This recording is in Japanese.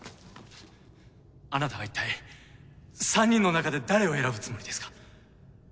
あなたはいったい３人の中で誰を選ぶつもりですか？